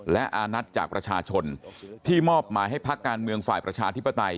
และอานัดจากประชาชนที่มอบหมายให้พักการเมืองฝ่ายประชาธิปไตย